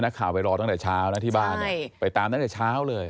ข่าวไปรอตั้งแต่เช้านะที่บ้านเนี่ยไปตามตั้งแต่เช้าเลย